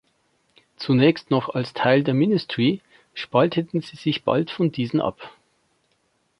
Zunächst noch als Teil der Ministry, spalteten sie sich bald von diesen ab.